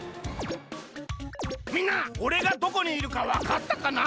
みんなおれがどこにいるかわかったかな？